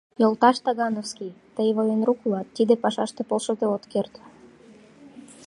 Йолташ Тагановский, тый военрук улат, тиде пашаште полшыде от керт.